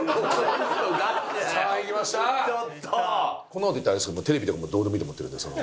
こんな事言ったらあれですけどテレビとかどうでもいいと思ってるんで。